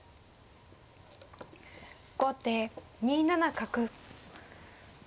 後手２七角。